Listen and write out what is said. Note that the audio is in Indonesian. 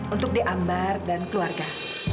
untuk d'ambar dan keluarga